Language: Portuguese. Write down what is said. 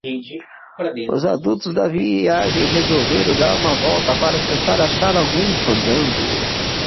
Os adultos da viagem resolveram dar uma volta para tentar achar algum fandango.